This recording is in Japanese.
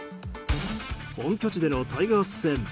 本拠地でのタイガース戦。